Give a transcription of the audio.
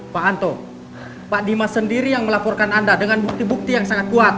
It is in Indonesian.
pak anto pak dimas sendiri yang melaporkan anda dengan bukti bukti yang sangat kuat